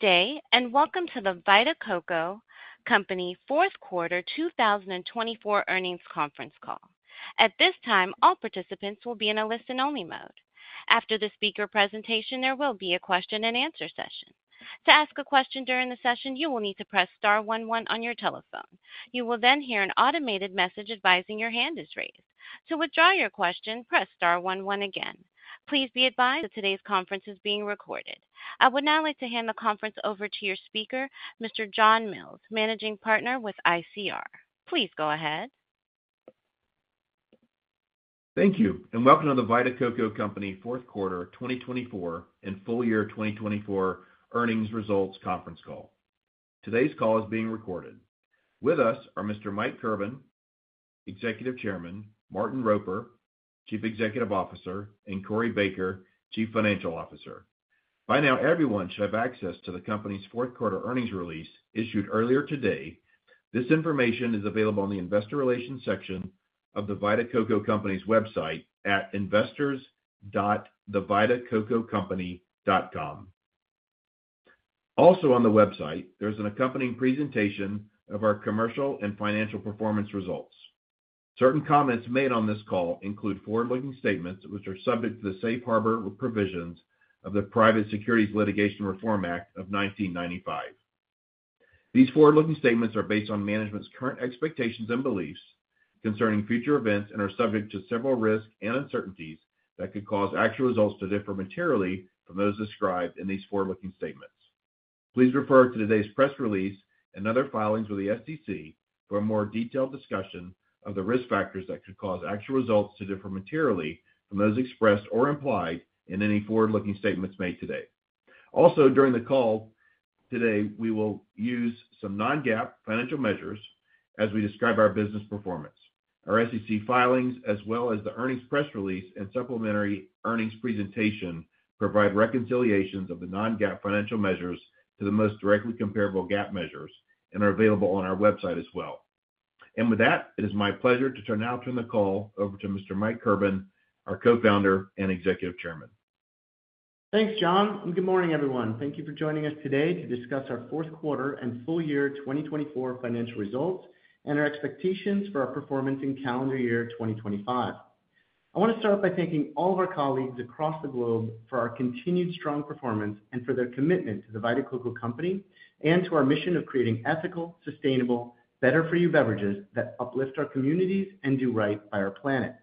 Good day, and welcome to The Vita Coco Company Fourth Quarter 2024 Earnings Conference Call. At this time, all participants will be in a listen-only mode. After the speaker presentation, there will be a question and answer session. To ask a question during the session, you will need to press star one one on your telephone. You will then hear an automated message advising your hand is raised. To withdraw your question, press star one one again. Please be advised that today's conference is being recorded. I would now like to hand the conference over to your speaker, Mr. John Mills, Managing Partner with ICR. Please go ahead. Thank you, and welcome to The Vita Coco Company Fourth Quarter 2024 and Full Year 2024 Earnings Results Conference Call. Today's call is being recorded. With us are Mr. Mike Kirban, Executive Chairman, Martin Roper, Chief Executive Officer, and Corey Baker, Chief Financial Officer. By now, everyone should have access to the company's fourth quarter earnings release issued earlier today. This information is available on the Investor Relations section of The Vita Coco Company's website at investors.thevitacococompany.com. Also, on the website, there's an accompanying presentation of our commercial and financial performance results. Certain comments made on this call include forward-looking statements which are subject to the safe harbor provisions of the Private Securities Litigation Reform Act of 1995. These forward-looking statements are based on management's current expectations and beliefs concerning future events and are subject to several risks and uncertainties that could cause actual results to differ materially from those described in these forward-looking statements. Please refer to today's press release and other filings with the SEC for a more detailed discussion of the risk factors that could cause actual results to differ materially from those expressed or implied in any forward-looking statements made today. Also, during the call today, we will use some Non-GAAP financial measures as we describe our business performance. Our SEC filings, as well as the earnings press release and supplementary earnings presentation, provide reconciliations of the non-GAAP financial measures to the most directly comparable GAAP measures and are available on our website as well. And with that, it is my pleasure to now turn the call over to Mr. Mike Kirban, our Co-Founder and Executive Chairman. Thanks, John. And good morning, everyone. Thank you for joining us today to discuss our fourth quarter and full year 2024 financial results and our expectations for our performance in calendar year 2025. I want to start by thanking all of our colleagues across the globe for our continued strong performance and for their commitment to The Vita Coco Company and to our mission of creating ethical, sustainable, better-for-you beverages that uplift our communities and do right by our planet.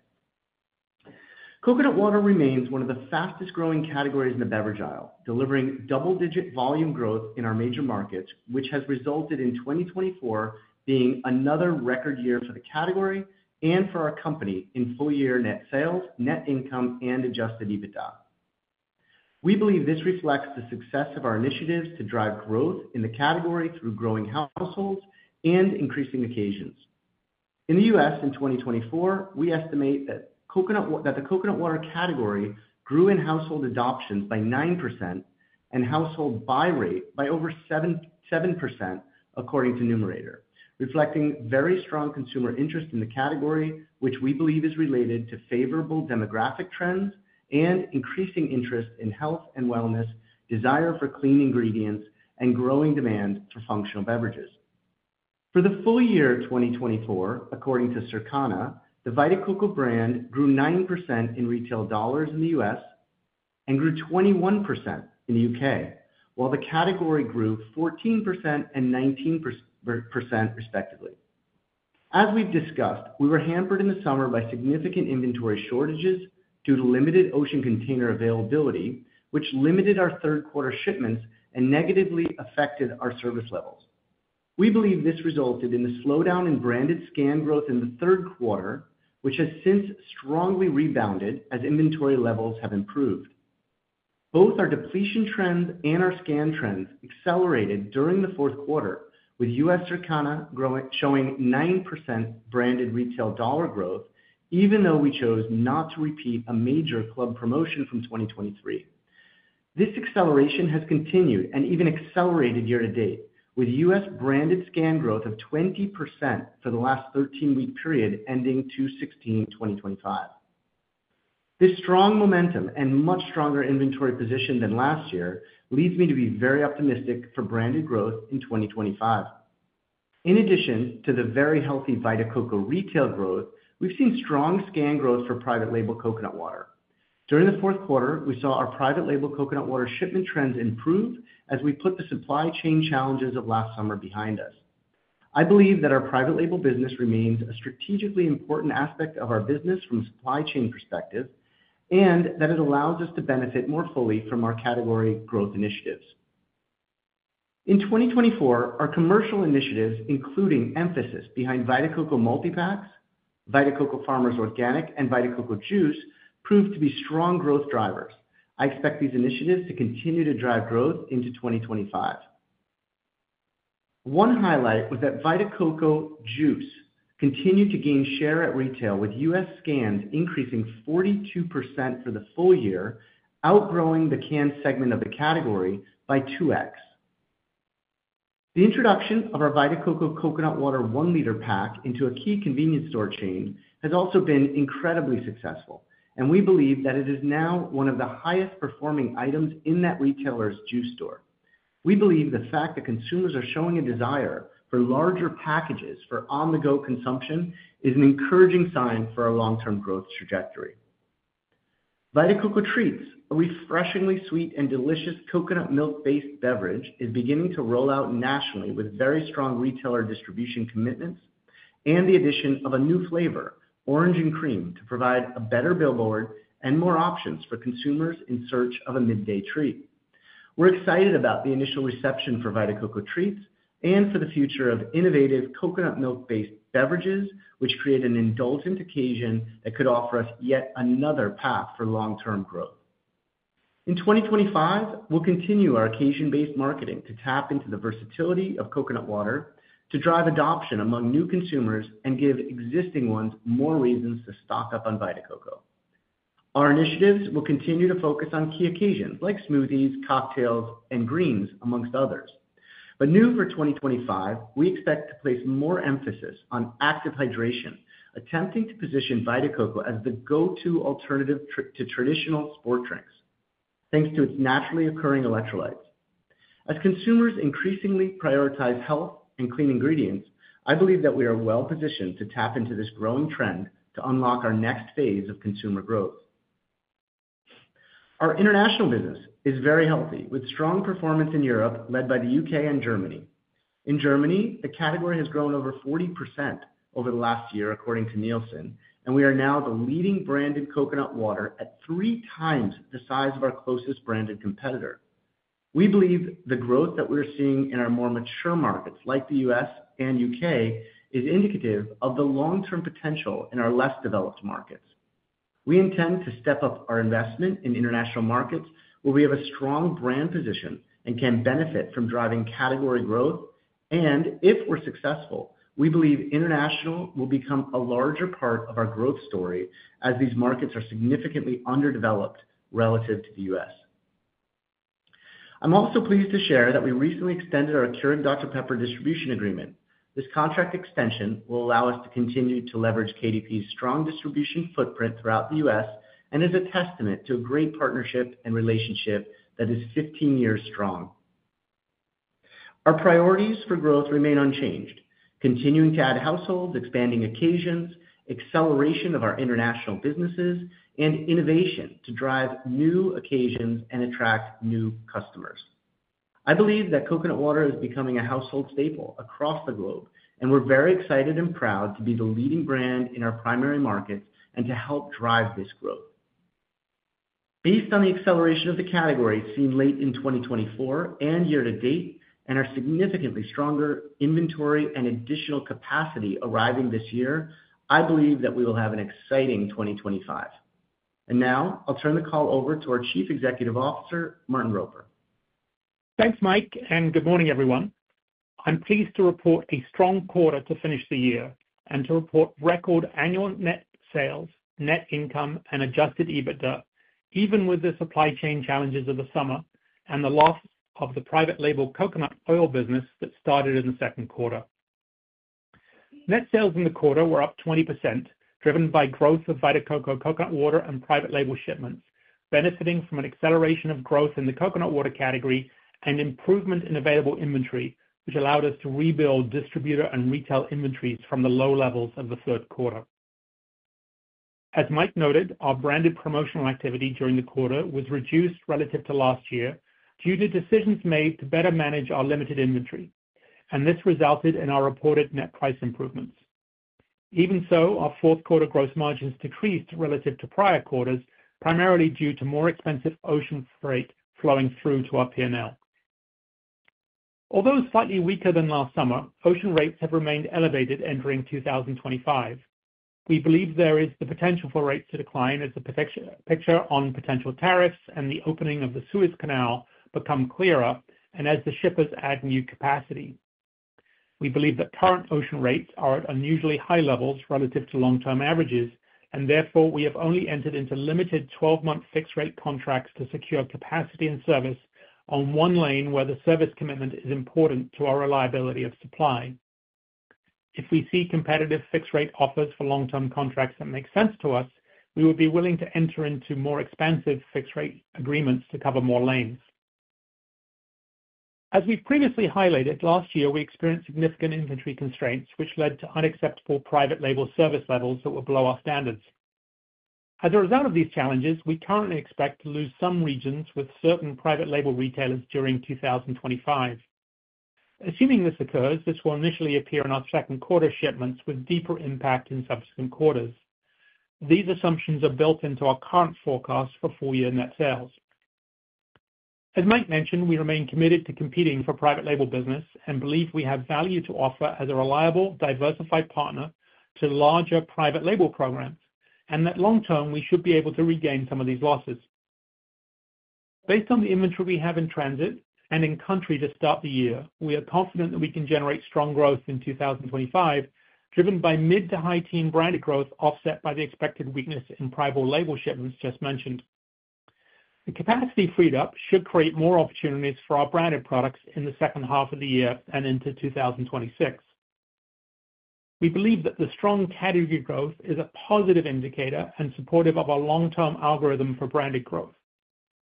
Coconut water remains one of the fastest-growing categories in the beverage aisle, delivering double-digit volume growth in our major markets, which has resulted in 2024 being another record year for the category and for our company in full-year net sales, net income, and Adjusted EBITDA. We believe this reflects the success of our initiatives to drive growth in the category through growing households and increasing occasions. In the U.S. in 2024, we estimate that the coconut water category grew in household adoptions by 9% and household buy rate by over 7%, according to Numerator, reflecting very strong consumer interest in the category, which we believe is related to favorable demographic trends and increasing interest in health and wellness, desire for clean ingredients, and growing demand for functional beverages. For the full year 2024, according to Circana, the Vita Coco brand grew 9% in retail dollars in the U.S. and grew 21% in the U.K., while the category grew 14% and 19%, respectively. As we've discussed, we were hampered in the summer by significant inventory shortages due to limited ocean container availability, which limited our third quarter shipments and negatively affected our service levels. We believe this resulted in a slowdown in branded scan growth in the third quarter, which has since strongly rebounded as inventory levels have improved. Both our depletion trends and our scan trends accelerated during the fourth quarter, with U.S. Circana showing 9% branded retail dollar growth, even though we chose not to repeat a major club promotion from 2023. This acceleration has continued and even accelerated year-to-date, with U.S. branded scan growth of 20% for the last 13-week period ending 2/16/2025. This strong momentum and much stronger inventory position than last year leads me to be very optimistic for branded growth in 2025. In addition to the very healthy Vita Coco retail growth, we've seen strong scan growth for private-label coconut water. During the fourth quarter, we saw our private-label coconut water shipment trends improve as we put the supply chain challenges of last summer behind us. I believe that our private-label business remains a strategically important aspect of our business from a supply chain perspective and that it allows us to benefit more fully from our category growth initiatives. In 2024, our commercial initiatives, including emphasis behind Vita Coco multipacks, Vita Coco Farmers Organic, and Vita Coco Juice, proved to be strong growth drivers. I expect these initiatives to continue to drive growth into 2025. One highlight was that Vita Coco Juice continued to gain share at retail, with U.S. scans increasing 42% for the full year, outgrowing the canned segment of the category by 2x. The introduction of our Vita Coco Coconut Water 1 L pack into a key convenience store chain has also been incredibly successful, and we believe that it is now one of the highest-performing items in that retailer's juice door. We believe the fact that consumers are showing a desire for larger packages for on-the-go consumption is an encouraging sign for our long-term growth trajectory. Vita Coco Treats, a refreshingly sweet and delicious coconut milk-based beverage, is beginning to roll out nationally with very strong retailer distribution commitments and the addition of a new flavor, Orange & Creme, to provide a better billboard and more options for consumers in search of a midday treat. We're excited about the initial reception for Vita Coco Treats and for the future of innovative coconut milk-based beverages, which create an indulgent occasion that could offer us yet another path for long-term growth. In 2025, we'll continue our occasion-based marketing to tap into the versatility of coconut water to drive adoption among new consumers and give existing ones more reasons to stock up on Vita Coco. Our initiatives will continue to focus on key occasions like smoothies, cocktails, and greens, among others. But new for 2025, we expect to place more emphasis on active hydration, attempting to position Vita Coco as the go-to alternative to traditional sports drinks, thanks to its naturally occurring electrolytes. As consumers increasingly prioritize health and clean ingredients, I believe that we are well-positioned to tap into this growing trend to unlock our next phase of consumer growth. Our international business is very healthy, with strong performance in Europe led by the U.K. and Germany. In Germany, the category has grown over 40% over the last year, according to Nielsen, and we are now the leading branded coconut water at three times the size of our closest branded competitor. We believe the growth that we're seeing in our more mature markets, like the U.S. and U.K., is indicative of the long-term potential in our less developed markets. We intend to step up our investment in international markets where we have a strong brand position and can benefit from driving category growth. And if we're successful, we believe international will become a larger part of our growth story as these markets are significantly underdeveloped relative to the U.S. I'm also pleased to share that we recently extended our Keurig Dr Pepper distribution agreement. This contract extension will allow us to continue to leverage KDP's strong distribution footprint throughout the U.S. and is a testament to a great partnership and relationship that is 15 years strong. Our priorities for growth remain unchanged: continuing to add households, expanding occasions, acceleration of our international businesses, and innovation to drive new occasions and attract new customers. I believe that coconut water is becoming a household staple across the globe, and we're very excited and proud to be the leading brand in our primary markets and to help drive this growth. Based on the acceleration of the category seen late in 2024 and year-to-date, and our significantly stronger inventory and additional capacity arriving this year, I believe that we will have an exciting 2025. And now, I'll turn the call over to our Chief Executive Officer, Martin Roper. Thanks, Mike, and good morning, everyone. I'm pleased to report a strong quarter to finish the year and to report record annual net sales, net income, and Adjusted EBITDA, even with the supply chain challenges of the summer and the loss of the private-label coconut oil business that started in the second quarter. Net sales in the quarter were up 20%, driven by growth of Vita Coco Coconut Water and private-label shipments, benefiting from an acceleration of growth in the coconut water category and improvement in available inventory, which allowed us to rebuild distributor and retail inventories from the low levels of the third quarter. As Mike noted, our branded promotional activity during the quarter was reduced relative to last year due to decisions made to better manage our limited inventory, and this resulted in our reported net price improvements. Even so, our fourth quarter gross margins decreased relative to prior quarters, primarily due to more expensive ocean freight flowing through to our P&L. Although slightly weaker than last summer, ocean rates have remained elevated entering 2025. We believe there is the potential for rates to decline as the picture on potential tariffs and the opening of the Suez Canal become clearer and as the shippers add new capacity. We believe that current ocean rates are at unusually high levels relative to long-term averages, and therefore, we have only entered into limited 12-month fixed-rate contracts to secure capacity and service on one lane where the service commitment is important to our reliability of supply. If we see competitive fixed-rate offers for long-term contracts that make sense to us, we would be willing to enter into more expansive fixed-rate agreements to cover more lanes. As we've previously highlighted, last year, we experienced significant inventory constraints, which led to unacceptable private-label service levels that would blow our standards. As a result of these challenges, we currently expect to lose some regions with certain private-label retailers during 2025. Assuming this occurs, this will initially appear in our second quarter shipments with deeper impact in subsequent quarters. These assumptions are built into our current forecast for full-year net sales. As Mike mentioned, we remain committed to competing for private-label business and believe we have value to offer as a reliable, diversified partner to larger private-label programs and that long-term, we should be able to regain some of these losses. Based on the inventory we have in transit and in country to start the year, we are confident that we can generate strong growth in 2025, driven by mid to high-teens branded growth offset by the expected weakness in private-label shipments just mentioned. The capacity freed up should create more opportunities for our branded products in the second half of the year and into 2026. We believe that the strong category growth is a positive indicator and supportive of our long-term algorithm for branded growth.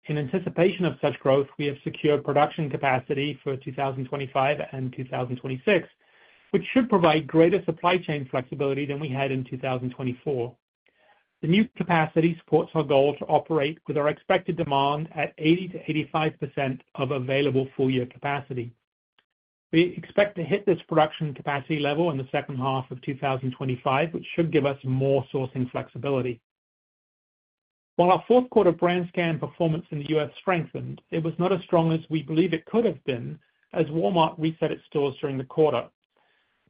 In anticipation of such growth, we have secured production capacity for 2025 and 2026, which should provide greater supply chain flexibility than we had in 2024. The new capacity supports our goal to operate with our expected demand at 80%-85% of available full-year capacity. We expect to hit this production capacity level in the second half of 2025, which should give us more sourcing flexibility. While our fourth quarter brand scan performance in the U.S. strengthened, it was not as strong as we believe it could have been as Walmart reset its stores during the quarter.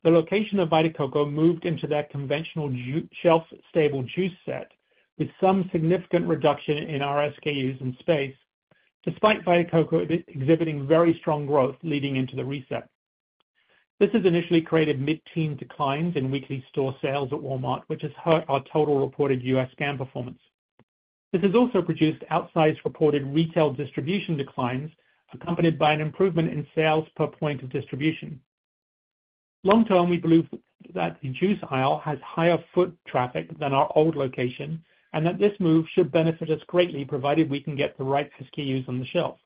The location of Vita Coco moved into their conventional shelf-stable juice set with some significant reduction in our SKUs and space, despite Vita Coco exhibiting very strong growth leading into the reset. This has initially created mid-teens declines in weekly store sales at Walmart, which has hurt our total reported U.S. scan performance. This has also produced outsized reported retail distribution declines accompanied by an improvement in sales per point of distribution. Long-term, we believe that the juice aisle has higher foot traffic than our old location and that this move should benefit us greatly provided we can get the right SKUs on the shelf.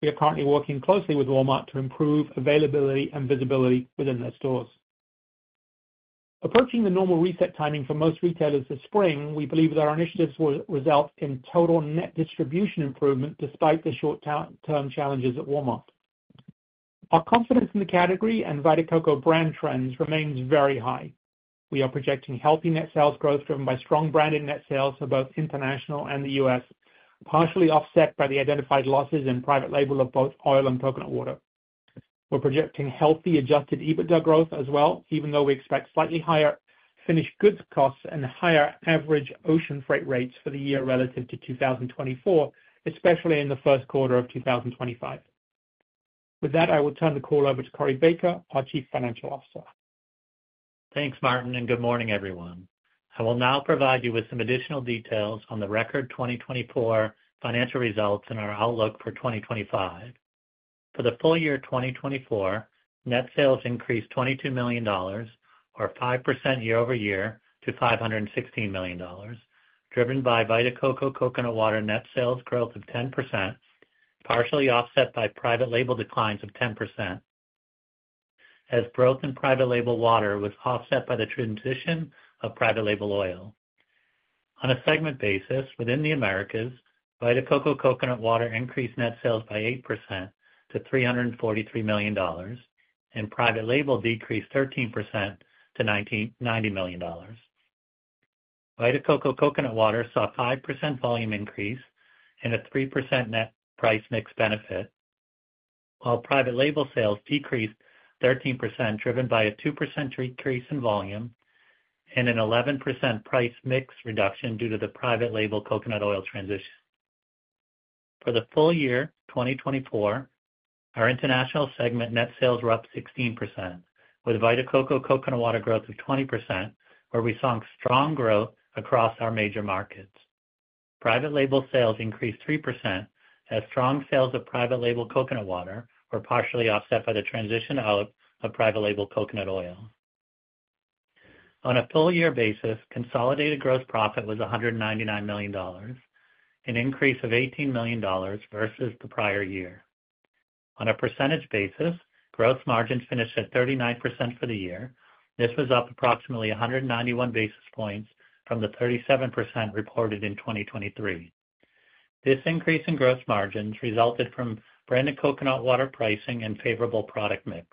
We are currently working closely with Walmart to improve availability and visibility within their stores. Approaching the normal reset timing for most retailers this spring, we believe that our initiatives will result in total net distribution improvement despite the short-term challenges at Walmart. Our confidence in the category and Vita Coco brand trends remains very high. We are projecting healthy net sales growth driven by strong branded net sales for both international and the U.S., partially offset by the identified losses in private-label of both oil and coconut water. We're projecting healthy Adjusted EBITDA growth as well, even though we expect slightly higher finished goods costs and higher average ocean freight rates for the year relative to 2024, especially in the first quarter of 2025. With that, I will turn the call over to Corey Baker, our Chief Financial Officer. Thanks, Martin, and good morning, everyone. I will now provide you with some additional details on the record 2024 financial results and our outlook for 2025. For the full year 2024, net sales increased $22 million, or 5% year-over-year, to $516 million, driven by Vita Coco Coconut Water net sales growth of 10%, partially offset by private-label declines of 10%, as growth in private-label water was offset by the transition of private-label oil. On a segment basis, within the Americas, Vita Coco Coconut Water increased net sales by 8% to $343 million, and private-label decreased 13% to $90 million. Vita Coco Coconut Water saw a 5% volume increase and a 3% net price mix benefit, while private-label sales decreased 13%, driven by a 2% decrease in volume and an 11% price mix reduction due to the private-label coconut oil transition. For the full year 2024, our international segment net sales were up 16%, with Vita Coco Coconut Water growth of 20%, where we saw strong growth across our major markets. Private-label sales increased 3%, as strong sales of private-label coconut water were partially offset by the transition out of private-label coconut oil. On a full-year basis, consolidated gross profit was $199 million, an increase of $18 million versus the prior year. On a percentage basis, gross margins finished at 39% for the year. This was up approximately 191 basis points from the 37% reported in 2023. This increase in gross margins resulted from branded coconut water pricing and favorable product mix.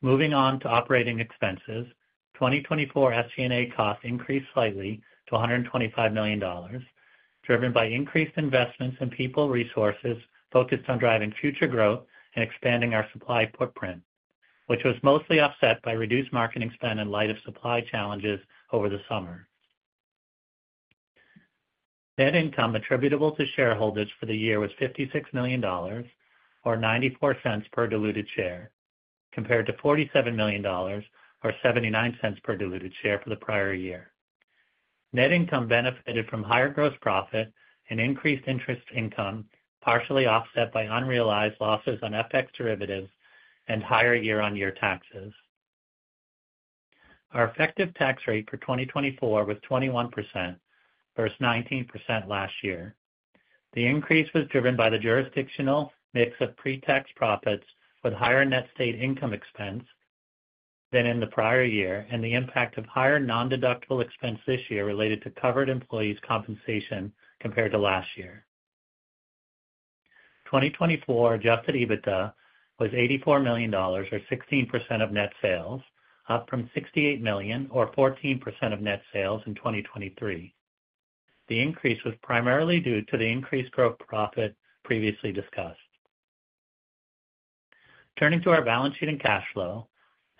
Moving on to operating expenses, 2024 SG&A costs increased slightly to $125 million, driven by increased investments in people resources focused on driving future growth and expanding our supply footprint, which was mostly offset by reduced marketing spend in light of supply challenges over the summer. Net income attributable to shareholders for the year was $56 million, or $0.94 per diluted share, compared to $47 million, or $0.79 per diluted share for the prior year. Net income benefited from higher gross profit and increased interest income, partially offset by unrealized losses on FX derivatives and higher year-on-year taxes. Our effective tax rate for 2024 was 21%, versus 19% last year. The increase was driven by the jurisdictional mix of pre-tax profits with higher net state income expense than in the prior year and the impact of higher non-deductible expense this year related to covered employees' compensation compared to last year. 2024 Adjusted EBITDA was $84 million, or 16% of net sales, up from $68 million, or 14% of net sales in 2023. The increase was primarily due to the increased gross profit previously discussed. Turning to our balance sheet and cash flow,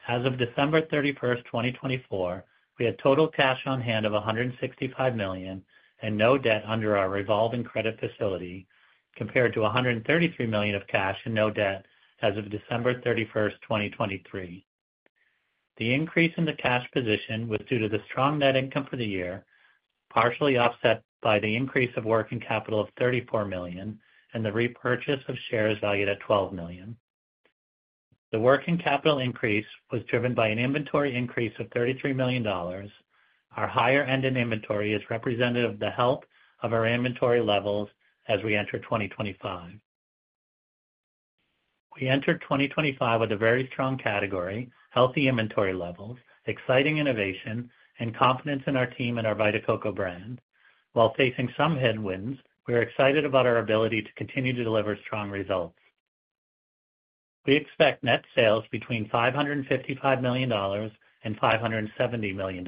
as of December 31st, 2024, we had total cash on hand of $165 million and no debt under our revolving credit facility, compared to $133 million of cash and no debt as of December 31st, 2023. The increase in the cash position was due to the strong net income for the year, partially offset by the increase of working capital of $34 million and the repurchase of shares valued at $12 million. The working capital increase was driven by an inventory increase of $33 million. Our higher ending inventory is representative of the health of our inventory levels as we enter 2025. We entered 2025 with a very strong category, healthy inventory levels, exciting innovation, and confidence in our team and our Vita Coco brand. While facing some headwinds, we are excited about our ability to continue to deliver strong results. We expect net sales between $555 million and $570 million,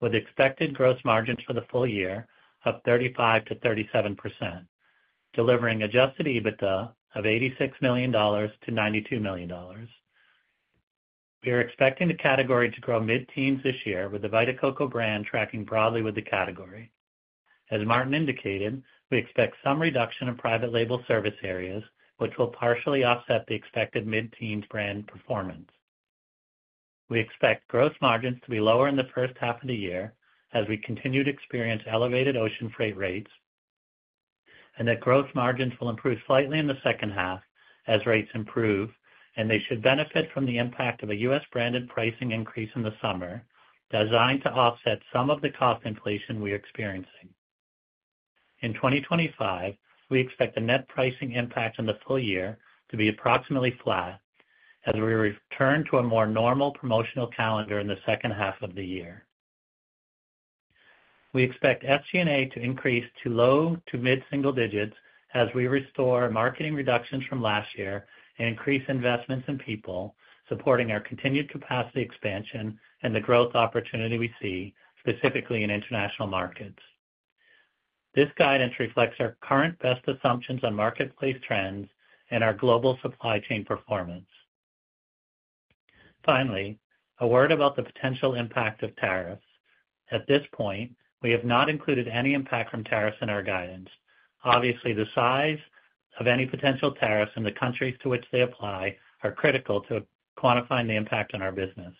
with expected gross margins for the full year of 35%-37%, delivering Adjusted EBITDA of $86-$92 million. We are expecting the category to grow mid-teens this year, with the Vita Coco brand tracking broadly with the category. As Martin indicated, we expect some reduction in private-label service areas, which will partially offset the expected mid-teens brand performance. We expect gross margins to be lower in the first half of the year as we continue to experience elevated ocean freight rates, and that gross margins will improve slightly in the second half as rates improve, and they should benefit from the impact of a U.S. branded pricing increase in the summer designed to offset some of the cost inflation we are experiencing. In 2025, we expect the net pricing impact in the full year to be approximately flat as we return to a more normal promotional calendar in the second half of the year. We expect SG&A to increase to low to mid-single digits as we restore marketing reductions from last year and increase investments in people, supporting our continued capacity expansion and the growth opportunity we see, specifically in international markets. This guidance reflects our current best assumptions on marketplace trends and our global supply chain performance. Finally, a word about the potential impact of tariffs. At this point, we have not included any impact from tariffs in our guidance. Obviously, the size of any potential tariffs in the countries to which they apply are critical to quantifying the impact on our business.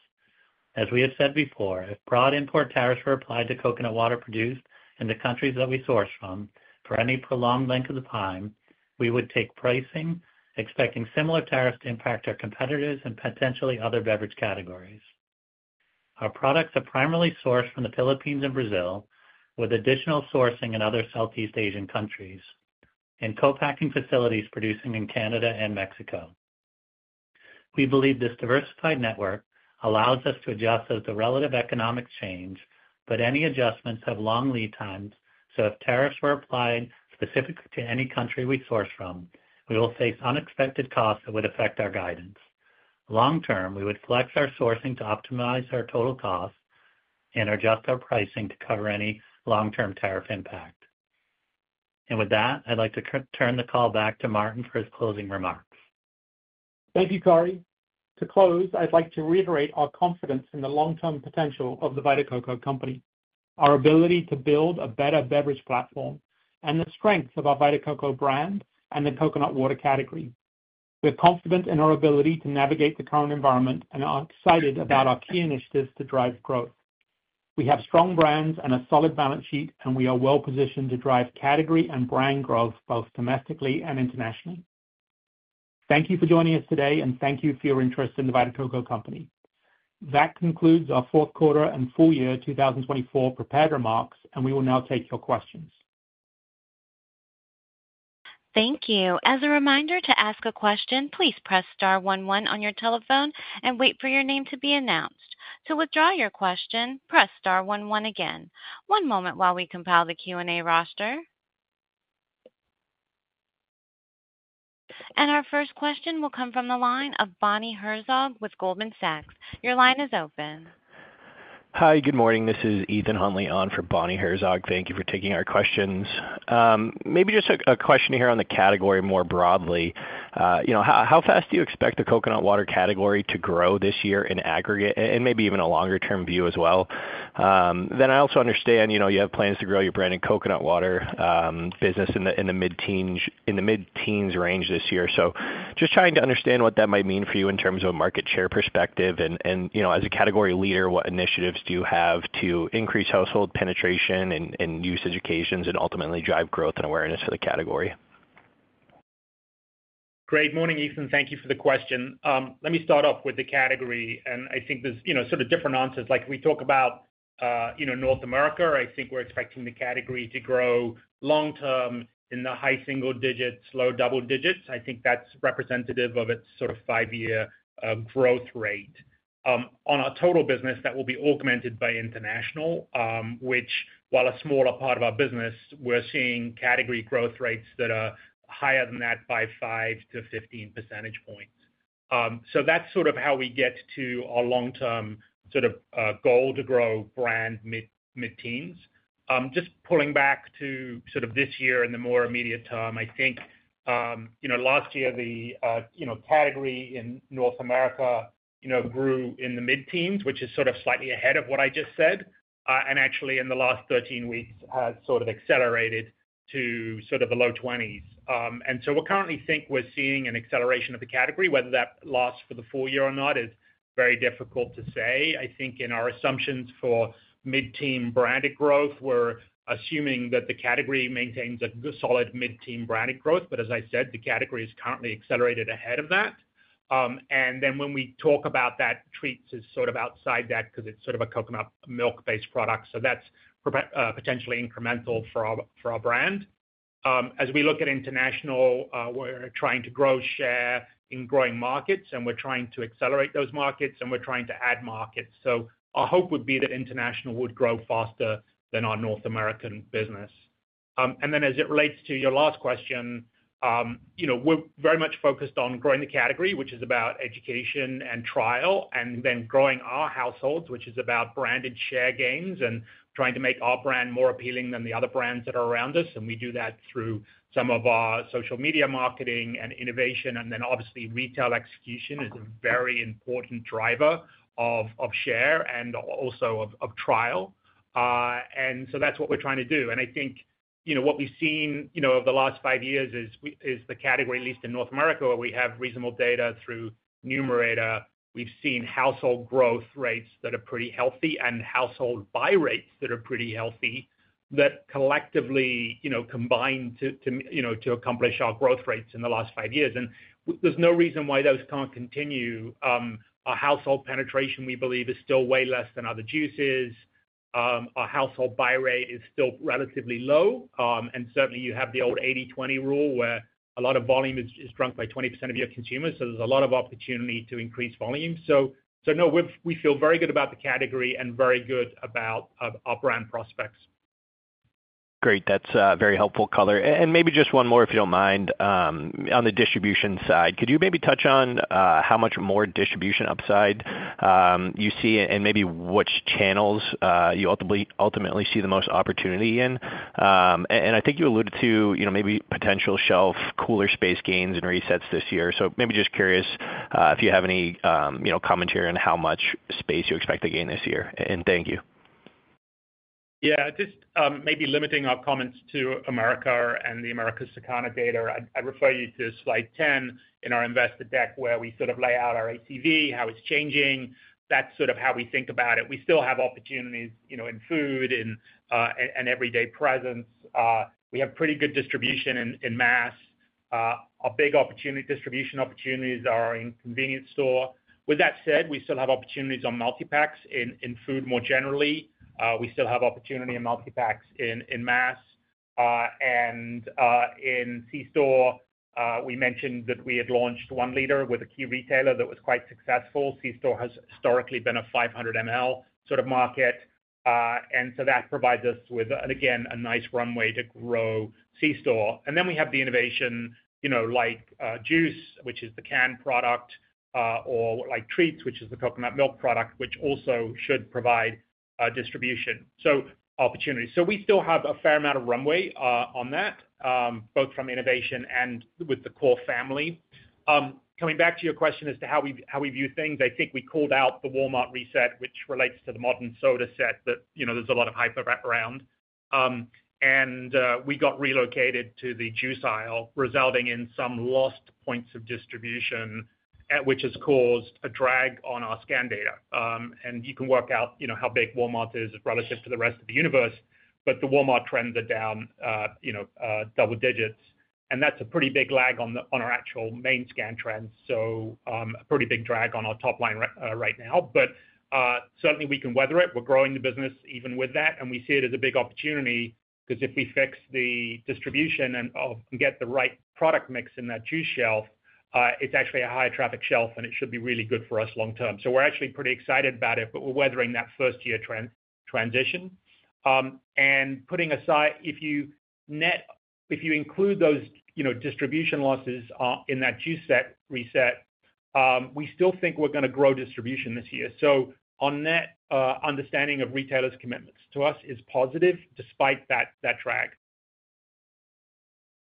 As we have said before, if broad import tariffs were applied to coconut water produced in the countries that we source from for any prolonged length of the time, we would take pricing, expecting similar tariffs to impact our competitors and potentially other beverage categories. Our products are primarily sourced from the Philippines and Brazil, with additional sourcing in other Southeast Asian countries and co-packing facilities producing in Canada and Mexico. We believe this diversified network allows us to adjust as the relative economics change, but any adjustments have long lead times, so if tariffs were applied specifically to any country we source from, we will face unexpected costs that would affect our guidance. Long-term, we would flex our sourcing to optimize our total costs and adjust our pricing to cover any long-term tariff impact. And with that, I'd like to turn the call back to Martin for his closing remarks. Thank you, Corey. To close, I'd like to reiterate our confidence in the long-term potential of The Vita Coco Company, our ability to build a better beverage platform, and the strengths of our Vita Coco brand and the coconut water category. We're confident in our ability to navigate the current environment, and we are excited about our key initiatives to drive growth. We have strong brands and a solid balance sheet, and we are well-positioned to drive category and brand growth both domestically and internationally. Thank you for joining us today, and thank you for your interest in The Vita Coco Company. That concludes our fourth quarter and full year 2024 prepared remarks, and we will now take your questions. Thank you. As a reminder to ask a question, please press star one one on your telephone and wait for your name to be announced. To withdraw your question, press star one one again. One moment while we compile the Q&A roster. And our first question will come from the line of Bonnie Herzog with Goldman Sachs. Your line is open. Hi, good morning. This is Ethan Huntley on for Bonnie Herzog. Thank you for taking our questions. Maybe just a question here on the category more broadly. How fast do you expect the coconut water category to grow this year in aggregate and maybe even a longer-term view as well? Then I also understand you have plans to grow your branded coconut water business in the mid-teens range this year. So just trying to understand what that might mean for you in terms of a market share perspective and, as a category leader, what initiatives do you have to increase household penetration and usage occasions and ultimately drive growth and awareness for the category? Great morning, Ethan. Thank you for the question. Let me start off with the category, and I think there's sort of different answers. Like we talk about North America, I think we're expecting the category to grow long-term in the high single digits, low double digits. I think that's representative of its sort of five-year growth rate. On our total business, that will be augmented by international, which, while a smaller part of our business, we're seeing category growth rates that are higher than that by 5 to 15 percentage points. So that's sort of how we get to our long-term sort of goal to grow brand mid-teens. Just pulling back to sort of this year and the more immediate term, I think last year the category in North America grew in the mid-teens, which is sort of slightly ahead of what I just said, and actually in the last 13 weeks has sort of accelerated to sort of the low 20s. And so we currently think we're seeing an acceleration of the category. Whether that lasts for the full year or not is very difficult to say. I think in our assumptions for mid-teens branded growth, we're assuming that the category maintains a solid mid-teens branded growth, but as I said, the category is currently accelerated ahead of that. And then when we talk about that, treats is sort of outside that because it's sort of a coconut milk-based product, so that's potentially incremental for our brand. As we look at international, we're trying to grow share in growing markets, and we're trying to accelerate those markets, and we're trying to add markets. So our hope would be that international would grow faster than our North American business. And then as it relates to your last question, we're very much focused on growing the category, which is about education and trial, and then growing our households, which is about branded share gains and trying to make our brand more appealing than the other brands that are around us. And we do that through some of our social media marketing and innovation, and then obviously retail execution is a very important driver of share and also of trial. And so that's what we're trying to do. And I think what we've seen over the last five years is the category, at least in North America, where we have reasonable data through Numerator. We've seen household growth rates that are pretty healthy and household buy rates that are pretty healthy that collectively combine to accomplish our growth rates in the last five years. And there's no reason why those can't continue. Our household penetration, we believe, is still way less than other juices. Our household buy rate is still relatively low. And certainly, you have the old 80/20 rule where a lot of volume is drunk by 20% of your consumers, so there's a lot of opportunity to increase volume. So no, we feel very good about the category and very good about our brand prospects. Great. That's very helpful color. And maybe just one more, if you don't mind, on the distribution side. Could you maybe touch on how much more distribution upside you see and maybe which channels you ultimately see the most opportunity in? And I think you alluded to maybe potential shelf, cooler space gains and resets this year. So maybe just curious if you have any commentary on how much space you expect to gain this year. And thank you. Yeah. Just maybe limiting our comments to Americas and Circana data. I'd refer you to Slide 10 in our investor deck where we sort of lay out our ACV, how it's changing. That's sort of how we think about it. We still have opportunities in food and everyday presence. We have pretty good distribution in mass. Our big distribution opportunities are in convenience store. With that said, we still have opportunities on multi-packs in food more generally. We still have opportunity in multi-packs in mass. In C-store, we mentioned that we had launched 1 L with a key retailer that was quite successful. C-store has historically been a 500 ml sort of market, so that provides us with, again, a nice runway to grow C-store. And then we have the innovation like Juice, which is the canned product, or like Treats, which is the coconut milk product, which also should provide distribution, so opportunity. So we still have a fair amount of runway on that, both from innovation and with the core family. Coming back to your question as to how we view things, I think we called out the Walmart reset, which relates to the Modern Soda set that there's a lot of hype around. And we got relocated to the juice aisle, resulting in some lost points of distribution, which has caused a drag on our scan data. And you can work out how big Walmart is relative to the rest of the universe, but the Walmart trends are down double digits. And that's a pretty big lag on our actual main scan trends, so a pretty big drag on our top line right now. But certainly, we can weather it. We're growing the business even with that, and we see it as a big opportunity because if we fix the distribution and get the right product mix in that juice shelf, it's actually a high-traffic shelf, and it should be really good for us long-term. So we're actually pretty excited about it, but we're weathering that first-year transition. And putting aside, if you include those distribution losses in that juice set reset, we still think we're going to grow distribution this year. So our net understanding of retailers' commitments to us is positive despite that drag.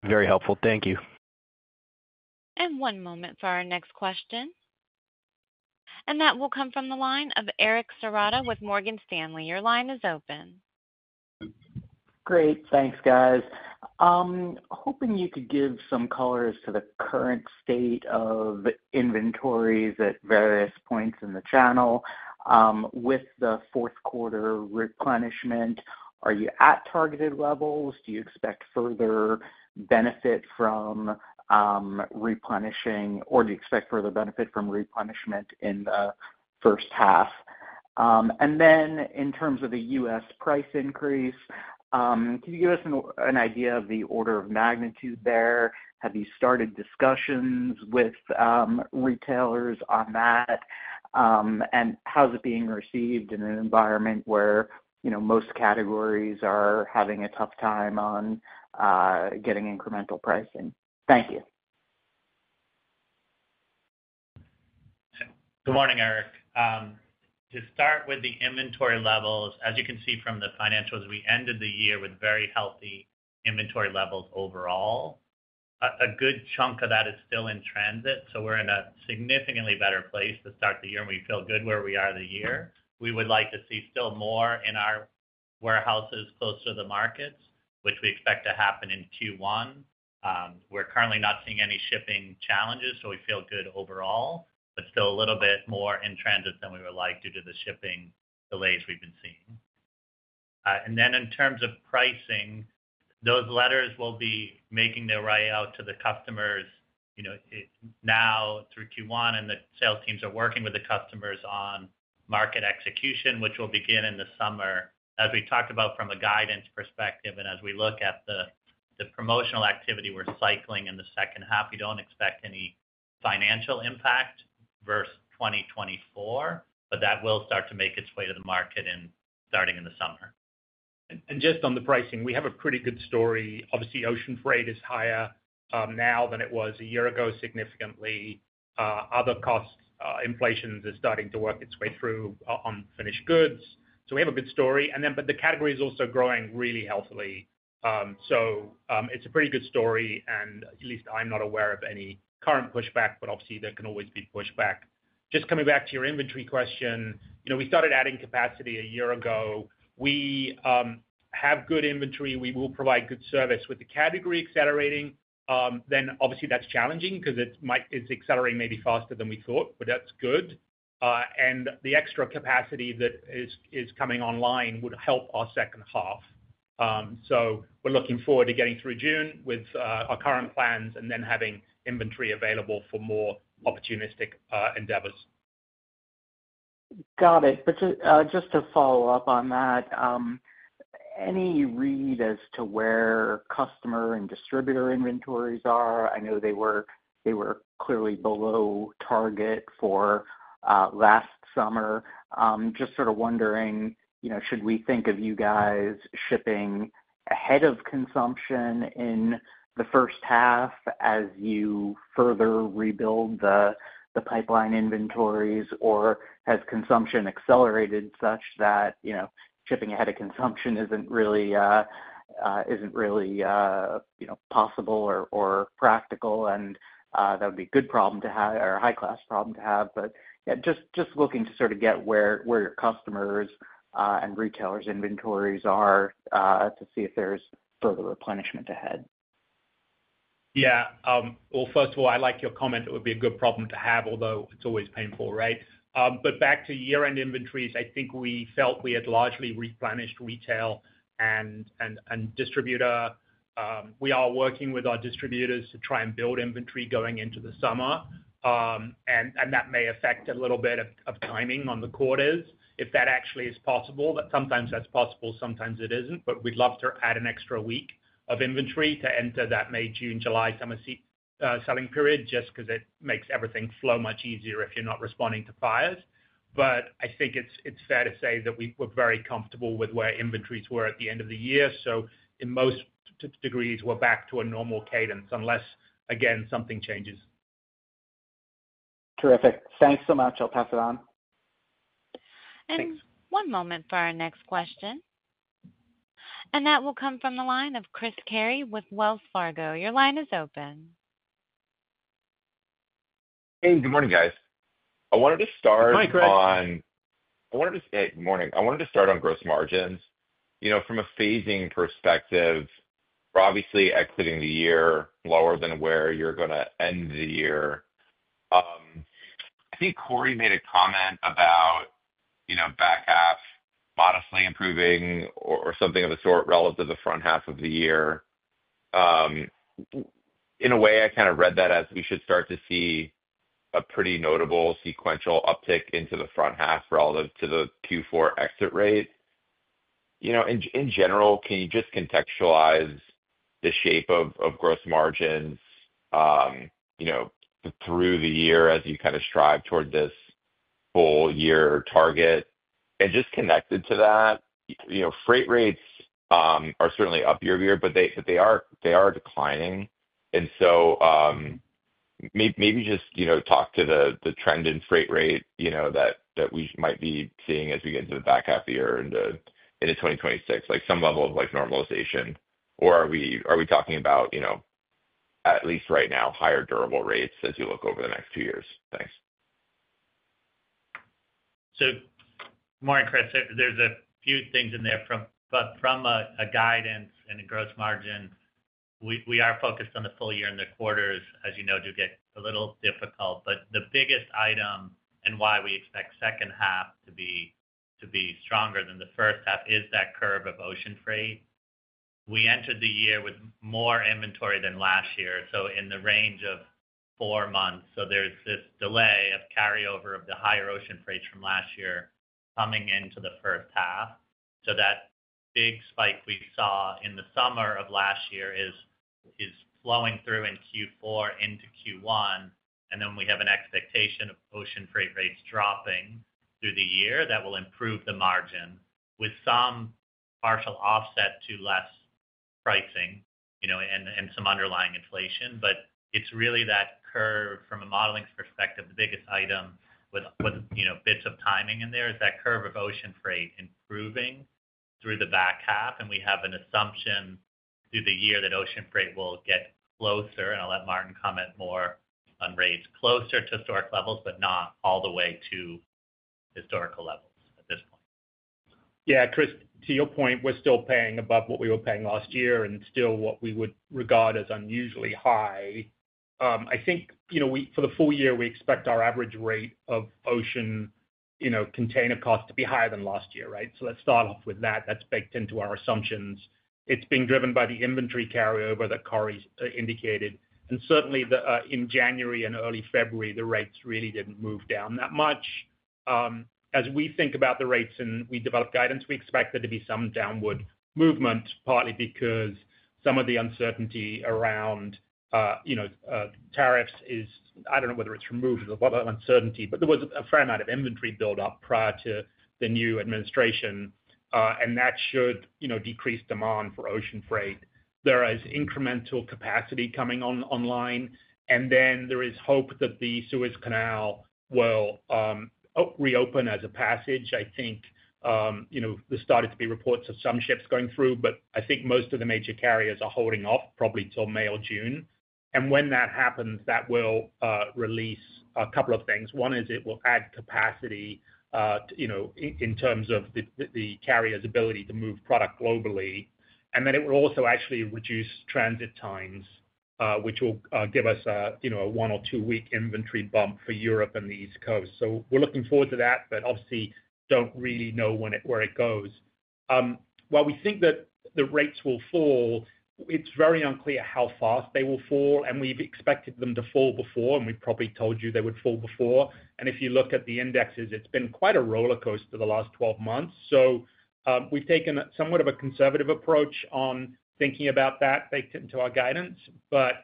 Very helpful. Thank you. One moment for our next question. That will come from the line of Eric Serotta with Morgan Stanley. Your line is open. Great. Thanks, guys. Hoping you could give some colors to the current state of inventories at various points in the channel with the fourth quarter replenishment. Are you at targeted levels? Do you expect further benefit from replenishing, or do you expect further benefit from replenishment in the first half? And then in terms of the U.S. price increase, can you give us an idea of the order of magnitude there? Have you started discussions with retailers on that? And how is it being received in an environment where most categories are having a tough time on getting incremental pricing? Thank you. Good morning, Eric. To start with the inventory levels, as you can see from the financials, we ended the year with very healthy inventory levels overall. A good chunk of that is still in transit, so we're in a significantly better place to start the year, and we feel good where we are this year. We would like to see still more in our warehouses close to the markets, which we expect to happen in Q1. We're currently not seeing any shipping challenges, so we feel good overall, but still a little bit more in transit than we would like due to the shipping delays we've been seeing. And then in terms of pricing, those letters will be making their way out to the customers now through Q1, and the sales teams are working with the customers on market execution, which will begin in the summer. As we talked about from a guidance perspective and as we look at the promotional activity we're cycling in the second half, we don't expect any financial impact versus 2024, but that will start to make its way to the market starting in the summer. Just on the pricing, we have a pretty good story. Obviously, ocean freight is higher now than it was a year ago significantly. Other cost inflation is starting to work its way through on finished goods. So we have a good story. And then, but the category is also growing really healthily. So it's a pretty good story, and at least I'm not aware of any current pushback, but obviously, there can always be pushback. Just coming back to your inventory question, we started adding capacity a year ago. We have good inventory. We will provide good service with the category accelerating. Then obviously, that's challenging because it's accelerating maybe faster than we thought, but that's good. And the extra capacity that is coming online would help our second half. So we're looking forward to getting through June with our current plans and then having inventory available for more opportunistic endeavors. Got it. Just to follow up on that, any read as to where customer and distributor inventories are? I know they were clearly below target for last summer. Just sort of wondering, should we think of you guys shipping ahead of consumption in the first half as you further rebuild the pipeline inventories, or has consumption accelerated such that shipping ahead of consumption isn't really possible or practical? And that would be a good problem to have or a high-class problem to have. But just looking to sort of get where your customers' and retailers' inventories are to see if there's further replenishment ahead. Yeah. Well, first of all, I like your comment. It would be a good problem to have, although it's always painful, right? But back to year-end inventories, I think we felt we had largely replenished retail and distributor. We are working with our distributors to try and build inventory going into the summer, and that may affect a little bit of timing on the quarters if that actually is possible. Sometimes that's possible. Sometimes it isn't, but we'd love to add an extra week of inventory to enter that May, June, July, summer selling period just because it makes everything flow much easier if you're not responding to fires. But I think it's fair to say that we're very comfortable with where inventories were at the end of the year. So in most degrees, we're back to a normal cadence unless, again, something changes. Terrific. Thanks so much. I'll pass it on. One moment for our next question. That will come from the line of Chris Carey with Wells Fargo. Your line is open. Hey, good morning, guys. I wanted to start on. Hi, Chris. I wanted to say, good morning. I wanted to start on gross margins. From a phasing perspective, we're obviously exiting the year lower than where you're going to end the year. I think Corey made a comment about back half modestly improving or something of the sort relative to the front half of the year. In a way, I kind of read that as we should start to see a pretty notable sequential uptick into the front half relative to the Q4 exit rate. In general, can you just contextualize the shape of gross margins through the year as you kind of strive toward this full-year target? And just connected to that, freight rates are certainly up year-over-year, but they are declining. So maybe just talk to the trend in freight rate that we might be seeing as we get into the back half of the year into 2026, like some level of normalization. Or are we talking about, at least right now, higher durable rates as you look over the next two years? Thanks. So good morning, Chris. There's a few things in there. But from a guidance and a gross margin, we are focused on the full year and the quarters, as you know, do get a little difficult. But the biggest item and why we expect second half to be stronger than the first half is that curve of ocean freight. We entered the year with more inventory than last year, so in the range of four months. So there's this delay of carryover of the higher ocean freight from last year coming into the first half. So that big spike we saw in the summer of last year is flowing through in Q4 into Q1. And then we have an expectation of ocean freight rates dropping through the year that will improve the margin with some partial offset to less pricing and some underlying inflation. But it's really that curve from a modeling perspective, the biggest item with bits of timing in there is that curve of ocean freight improving through the back half. And we have an assumption through the year that ocean freight will get closer. And I'll let Martin comment more on rates closer to historic levels, but not all the way to historical levels at this point. Yeah, Chris, to your point, we're still paying above what we were paying last year and still what we would regard as unusually high. I think for the full year, we expect our average rate of ocean container cost to be higher than last year, right? So let's start off with that. That's baked into our assumptions. It's being driven by the inventory carryover that Corey indicated. And certainly, in January and early February, the rates really didn't move down that much. As we think about the rates and we develop guidance, we expect there to be some downward movement, partly because some of the uncertainty around tariffs is, I don't know whether it's removed or what uncertainty, but there was a fair amount of inventory buildup prior to the new administration, and that should decrease demand for ocean freight. There is incremental capacity coming online, and then there is hope that the Suez Canal will reopen as a passage. I think there started to be reports of some ships going through, but I think most of the major carriers are holding off probably till May or June, and when that happens, that will release a couple of things. One is it will add capacity in terms of the carrier's ability to move product globally. And then it will also actually reduce transit times, which will give us a one or two-week inventory bump for Europe and the East Coast, so we're looking forward to that, but obviously, don't really know where it goes. While we think that the rates will fall, it's very unclear how fast they will fall, and we've expected them to fall before, and we've probably told you they would fall before. And if you look at the indexes, it's been quite a roller coaster the last 12 months. So we've taken somewhat of a conservative approach on thinking about that baked into our guidance. But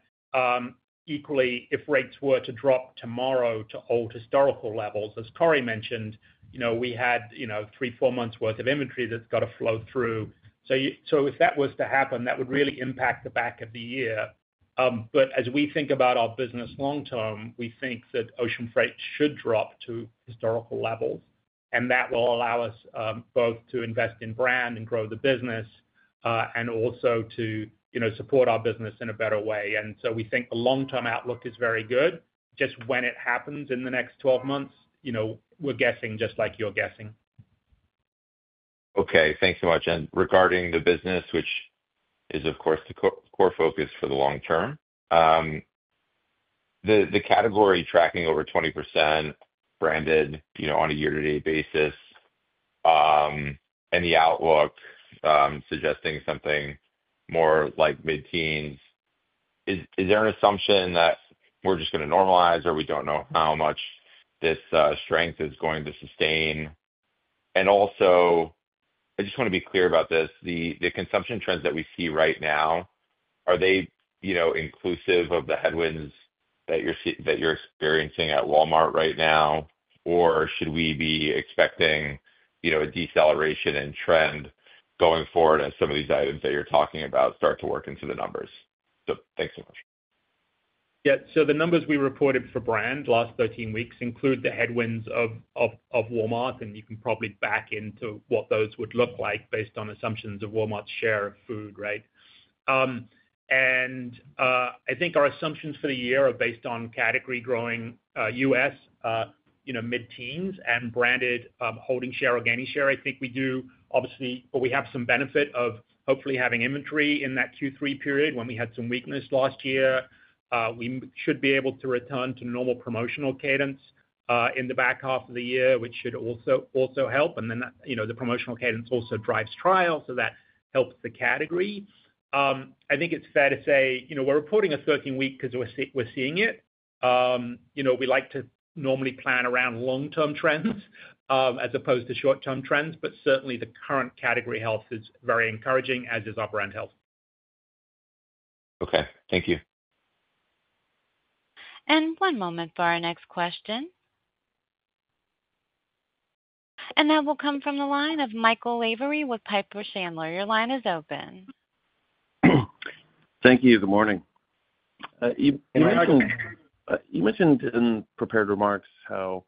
equally, if rates were to drop tomorrow to old historical levels, as Corey mentioned, we had three, four months' worth of inventory that's got to flow through. So if that was to happen, that would really impact the back of the year. But as we think about our business long-term, we think that ocean freight should drop to historical levels, and that will allow us both to invest in brand and grow the business and also to support our business in a better way. And so we think the long-term outlook is very good. Just when it happens in the next 12 months, we're guessing just like you're guessing. Okay. Thanks so much. And regarding the business, which is, of course, the core focus for the long term, the category tracking over 20% branded on a year-to-date basis and the outlook suggesting something more like mid-teens, is there an assumption that we're just going to normalize or we don't know how much this strength is going to sustain? And also, I just want to be clear about this. The consumption trends that we see right now, are they inclusive of the headwinds that you're experiencing at Walmart right now, or should we be expecting a deceleration in trend going forward as some of these items that you're talking about start to work into the numbers? So thanks so much. Yeah. So the numbers we reported for brand last 13 weeks include the headwinds of Walmart, and you can probably back into what those would look like based on assumptions of Walmart's share of food, right? And I think our assumptions for the year are based on category growing U.S. mid-teens and branded holding share or gaining share. I think we do, obviously, but we have some benefit of hopefully having inventory in that Q3 period when we had some weakness last year. We should be able to return to normal promotional cadence in the back half of the year, which should also help. And then the promotional cadence also drives trial, so that helps the category. I think it's fair to say we're reporting a 13-week because we're seeing it. We like to normally plan around long-term trends as opposed to short-term trends, but certainly, the current category health is very encouraging, as is our brand health. Okay. Thank you. One moment for our next question. That will come from the line of Michael Lavery with Piper Sandler. Your line is open. Thank you. Good morning. You mentioned in prepared remarks how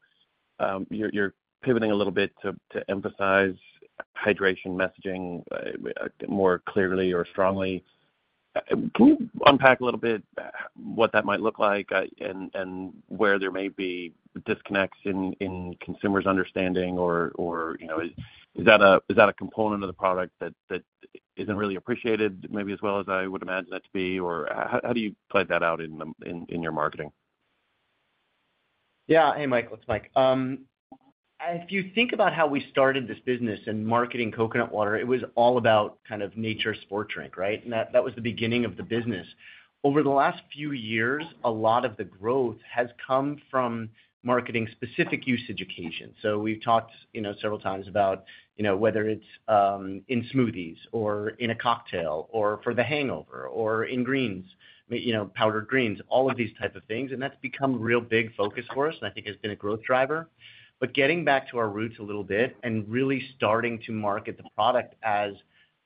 you're pivoting a little bit to emphasize hydration messaging more clearly or strongly. Can you unpack a little bit what that might look like and where there may be disconnects in consumers' understanding? Or is that a component of the product that isn't really appreciated maybe as well as I would imagine it to be? Or how do you play that out in your marketing? Yeah. Hey, Michael. It's Mike. If you think about how we started this business and marketing coconut water, it was all about kind of natural sports drink, right? And that was the beginning of the business. Over the last few years, a lot of the growth has come from marketing specific use education. So we've talked several times about whether it's in smoothies or in a cocktail or for the hangover or in greens, powdered greens, all of these types of things. And that's become a real big focus for us and I think has been a growth driver. But getting back to our roots a little bit and really starting to market the product as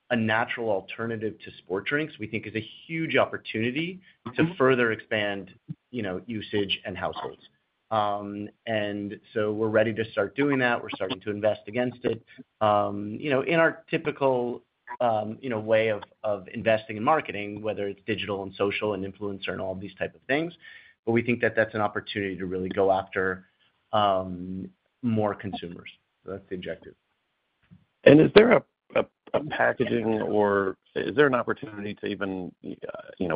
a natural alternative to sports drinks, we think is a huge opportunity to further expand usage and households. And so we're ready to start doing that. We're starting to invest against it in our typical way of investing in marketing, whether it's digital and social and influencer and all of these types of things. But we think that that's an opportunity to really go after more consumers. So that's the objective. Is there a packaging or is there an opportunity to even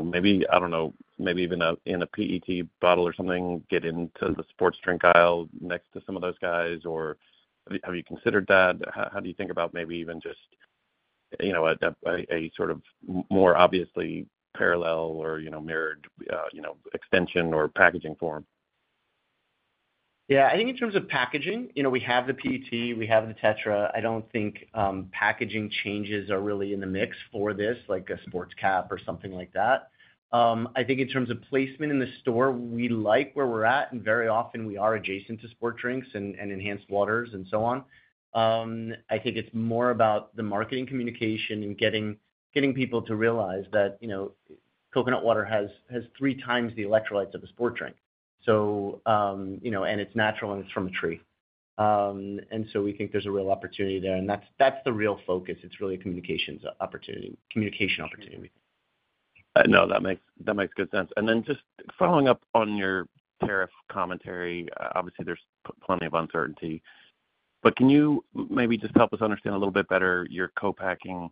maybe, I don't know, maybe even in a PET bottle or something, get into the sports drink aisle next to some of those guys? Or have you considered that? How do you think about maybe even just a sort of more obviously parallel or mirrored extension or packaging form? Yeah. I think in terms of packaging, we have the PET. We have the Tetra. I don't think packaging changes are really in the mix for this, like a sports cap or something like that. I think in terms of placement in the store, we like where we're at. And very often, we are adjacent to sports drinks and enhanced waters and so on. I think it's more about the marketing communication and getting people to realize that coconut water has three times the electrolytes of a sports drink. And it's natural, and it's from a tree. And so we think there's a real opportunity there. And that's the real focus. It's really a communication opportunity, communication opportunity, we think. No, that makes good sense. And then just following up on your tariff commentary, obviously, there's plenty of uncertainty. But can you maybe just help us understand a little bit better your co-packing?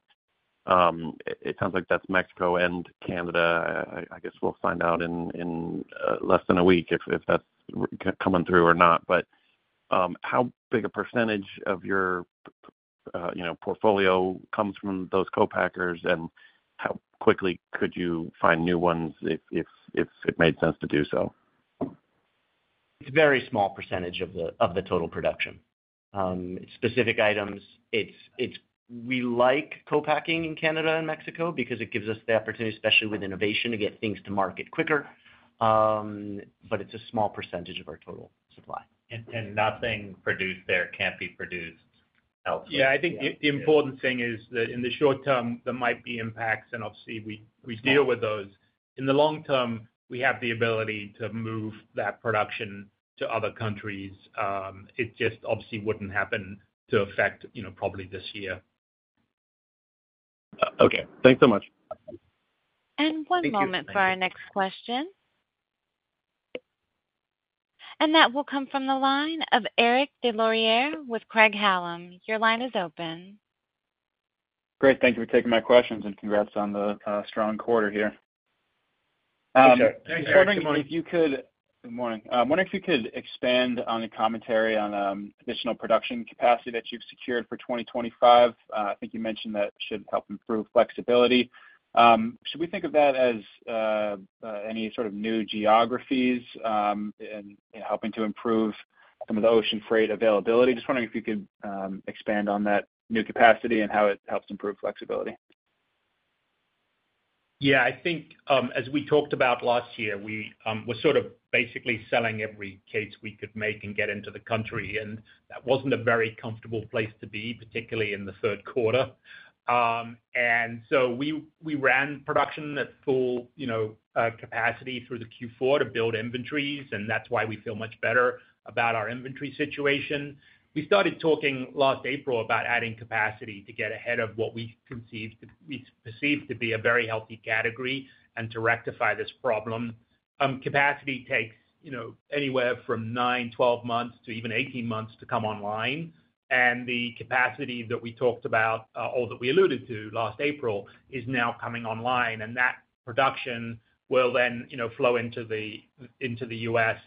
It sounds like that's Mexico and Canada. I guess we'll find out in less than a week if that's coming through or not. But how big a percentage of your portfolio comes from those co-packers, and how quickly could you find new ones if it made sense to do so? It's a very small percentage of the total production. Specific items, we like co-packing in Canada and Mexico because it gives us the opportunity, especially with innovation, to get things to market quicker. But it's a small percentage of our total supply. Nothing produced there can't be produced elsewhere? Yeah. I think the important thing is that in the short term, there might be impacts, and obviously, we deal with those. In the long term, we have the ability to move that production to other countries. It just obviously wouldn't happen to affect probably this year. Okay. Thanks so much. One moment for our next question. That will come from the line of Eric Des Lauriers with Craig-Hallum. Your line is open. Great. Thank you for taking my questions, and congrats on the strong quarter here. Thanks, Eric. Good morning. Good morning. I'm wondering if you could expand on the commentary on additional production capacity that you've secured for 2025. I think you mentioned that should help improve flexibility. Should we think of that as any sort of new geographies and helping to improve some of the ocean freight availability? Just wondering if you could expand on that new capacity and how it helps improve flexibility? Yeah. I think as we talked about last year, we were sort of basically selling every case we could make and get into the country. And that wasn't a very comfortable place to be, particularly in the third quarter. And so we ran production at full capacity through the Q4 to build inventories, and that's why we feel much better about our inventory situation. We started talking last April about adding capacity to get ahead of what we perceived to be a very healthy category and to rectify this problem. Capacity takes anywhere from nine, 12 months to even 18 months to come online. And the capacity that we talked about, or that we alluded to last April, is now coming online. That production will then flow into the U.S.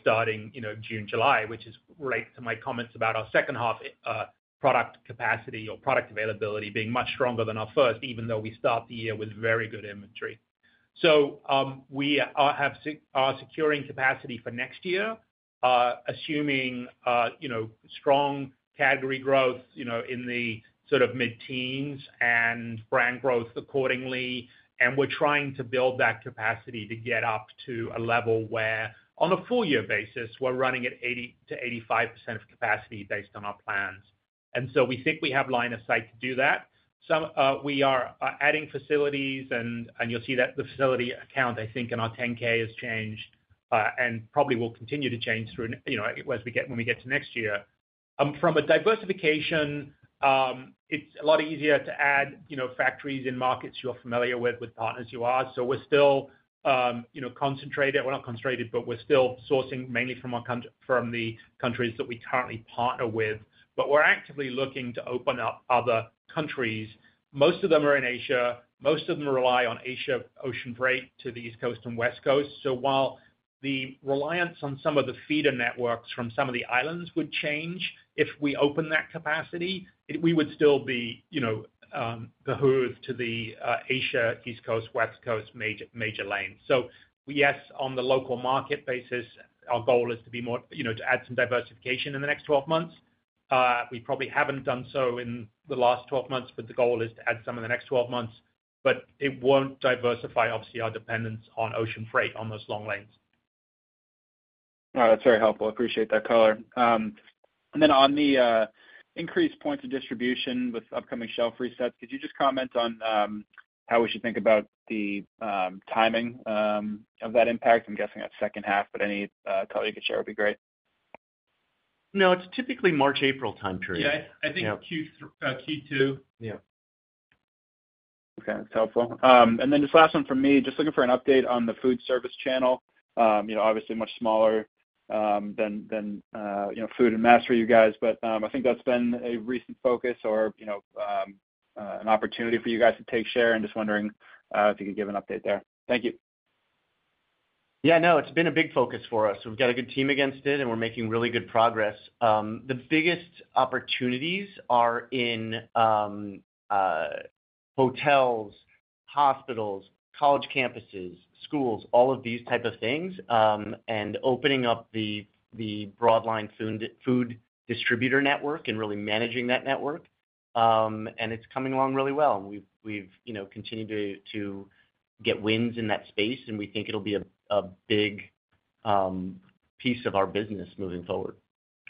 starting June, July, which is related to my comments about our second half product capacity or product availability being much stronger than our first, even though we start the year with very good inventory. So we are securing capacity for next year, assuming strong category growth in the sort of mid-teens and brand growth accordingly. And we're trying to build that capacity to get up to a level where, on a full-year basis, we're running at 80%-85% of capacity based on our plans. And so we think we have line of sight to do that. We are adding facilities, and you'll see that the facility count, I think, in our 10-K has changed and probably will continue to change through when we get to next year. From a diversification, it's a lot easier to add factories in markets you're familiar with partners you are. So we're still concentrated, well, not concentrated, but we're still sourcing mainly from the countries that we currently partner with. But we're actively looking to open up other countries. Most of them are in Asia. Most of them rely on Asia ocean freight to the East Coast and West Coast. So while the reliance on some of the feeder networks from some of the islands would change if we open that capacity, we would still be beholden to the Asia, East Coast, West Coast major lanes. So yes, on the local market basis, our goal is to add some diversification in the next 12 months. We probably haven't done so in the last 12 months, but the goal is to add some in the next 12 months. But it won't diversify, obviously, our dependence on ocean freight on those long lanes. That's very helpful. Appreciate that color. And then on the increased points of distribution with upcoming shelf resets, could you just comment on how we should think about the timing of that impact? I'm guessing that second half, but any color you could share would be great. No, it's typically March-April time period. Yeah. I think Q2. Yeah. Okay. That's helpful. And then just last one from me. Just looking for an update on the food service channel. Obviously, much smaller than food and mass for you guys, but I think that's been a recent focus or an opportunity for you guys to take share. And just wondering if you could give an update there? Thank you. Yeah. No, it's been a big focus for us. We've got a good team against it, and we're making really good progress. The biggest opportunities are in hotels, hospitals, college campuses, schools, all of these types of things, and opening up the broadline food distributor network and really managing that network. And it's coming along really well. And we've continued to get wins in that space, and we think it'll be a big piece of our business moving forward.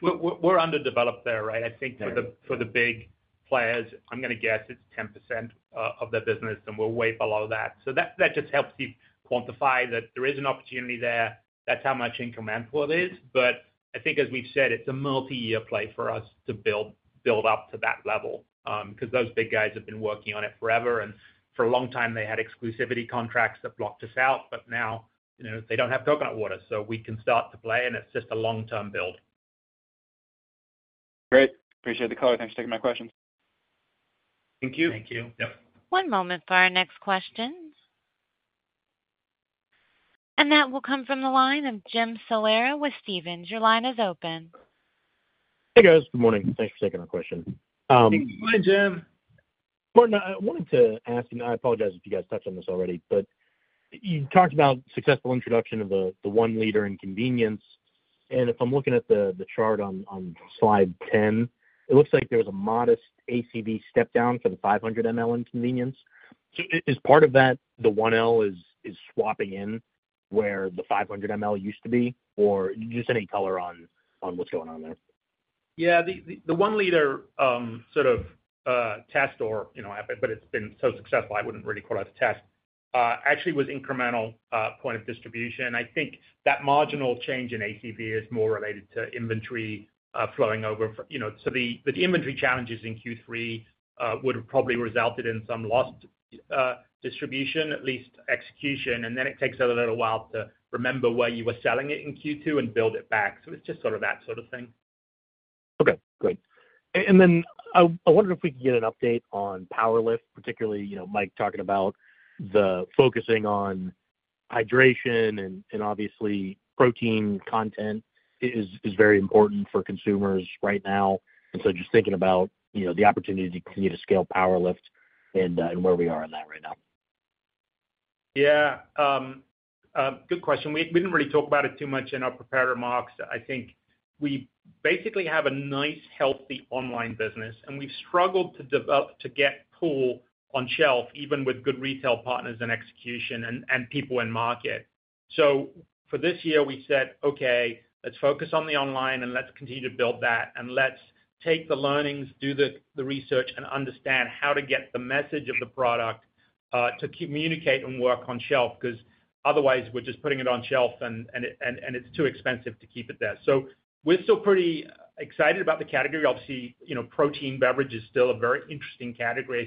We're underdeveloped there, right? I think for the big players, I'm going to guess it's 10% of their business, and we're way below that, so that just helps you quantify that there is an opportunity there. That's how much incumbent pool is, but I think, as we've said, it's a multi-year play for us to build up to that level because those big guys have been working on it forever, and for a long time, they had exclusivity contracts that blocked us out, but now they don't have coconut water, so we can start to play, and it's just a long-term build. Great. Appreciate the color. Thanks for taking my questions. Thank you. Thank you. One moment for our next question. And that will come from the line of Jim Salera with Stephens. Your line is open. Hey, guys. Good morning. Thanks for taking my question. Thanks. Hi, Jim. Martin, I wanted to ask, and I apologize if you guys touched on this already, but you talked about successful introduction of the 1 L convenience. And if I'm looking at the chart on Slide 10, it looks like there was a modest ACV step-down for the 500 ml convenience. So is part of that the 1 L is swapping in where the 500 ml used to be, or just any color on what's going on there? Yeah. The 1 L sort of test or, but it's been so successful, I wouldn't really call it a test, actually, was incremental point of distribution. I think that marginal change in ACV is more related to inventory flowing over. So the inventory challenges in Q3 would have probably resulted in some lost distribution, at least execution. And then it takes a little while to remember where you were selling it in Q2 and build it back. So it's just sort of that sort of thing. Okay. Good. And then I wonder if we can get an update on PWR LIFT, particularly Mike talking about the focusing on hydration and obviously protein content is very important for consumers right now. And so just thinking about the opportunity to continue to scale PWR LIFT and where we are in that right now. Yeah. Good question. We didn't really talk about it too much in our prepared remarks. I think we basically have a nice, healthy online business, and we've struggled to get PWR LIFT on shelf, even with good retail partners and execution and people in market. So for this year, we said, "Okay, let's focus on the online, and let's continue to build that. And let's take the learnings, do the research, and understand how to get the message of the product to communicate and work on shelf because otherwise, we're just putting it on shelf, and it's too expensive to keep it there." So we're still pretty excited about the category. Obviously, protein beverage is still a very interesting category. I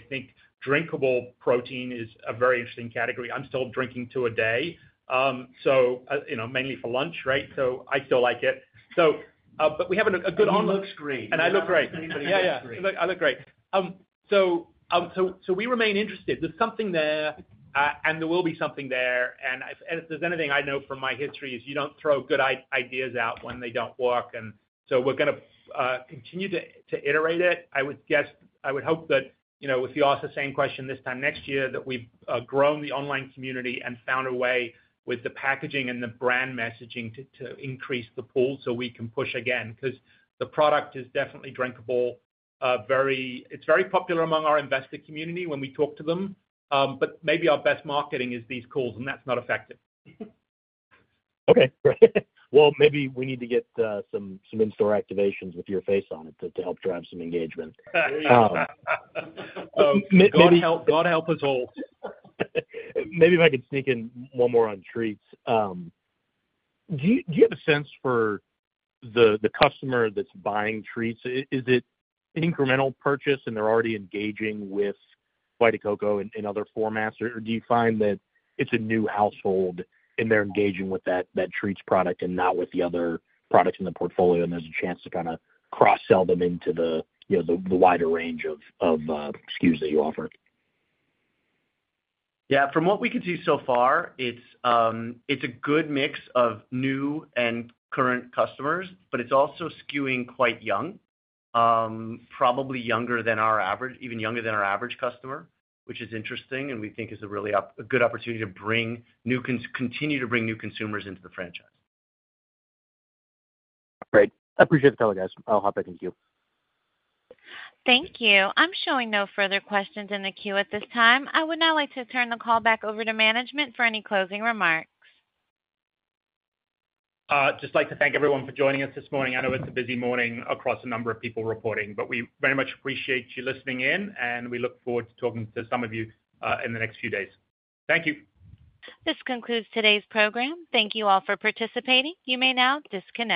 think drinkable protein is a very interesting category. I'm still drinking two a day, mainly for lunch, right? So I still like it. So. I look great. It looks great, so we remain interested. There's something there, and there will be something there, and if there's anything I know from my history is you don't throw good ideas out when they don't work, and so we're going to continue to iterate it. I would hope that if you ask the same question this time next year, that we've grown the online community and found a way with the packaging and the brand messaging to increase the pool so we can push again because the product is definitely drinkable. It's very popular among our investor community when we talk to them, but maybe our best marketing is these calls, and that's not effective. Okay. Great. Well, maybe we need to get some in-store activations with your face on it to help drive some engagement. God help us all. Maybe if I could sneak in one more on Treats. Do you have a sense for the customer that's buying Treats? Is it incremental purchase, and they're already engaging with Vita Coco and other formats, or do you find that it's a new household, and they're engaging with that Treats product and not with the other products in the portfolio, and there's a chance to kind of cross-sell them into the wider range of SKUs that you offer? Yeah. From what we can see so far, it's a good mix of new and current customers, but it's also skewing quite young, probably younger than our average, even younger than our average customer, which is interesting and we think is a really good opportunity to continue to bring new consumers into the franchise. Great. I appreciate it, caller, guys. I'll hop back in with you. Thank you. I'm showing no further questions in the queue at this time. I would now like to turn the call back over to management for any closing remarks. Just like to thank everyone for joining us this morning. I know it's a busy morning across a number of people reporting, but we very much appreciate you listening in, and we look forward to talking to some of you in the next few days. Thank you. This concludes today's program. Thank you all for participating. You may now disconnect.